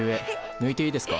ぬいていいですか？